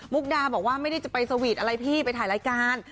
กดาบอกว่าไม่ได้จะไปสวีทอะไรพี่ไปถ่ายรายการ